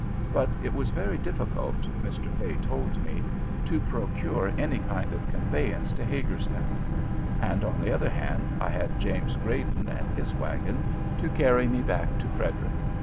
But it was very difficult, Mr. Fay told me, to procure any kind of conveyance to Hagerstown; and, on the other hand, I had James Grayden and his wagon to carry me back to Frederick.